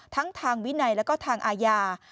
ทั้งทางวินัยแล้วก็ทางอาญา